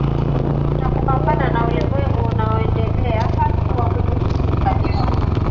na kupambana na ulimwengu unaoendelea kuwa mgumu kabisa